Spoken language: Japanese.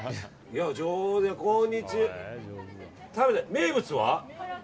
名物は？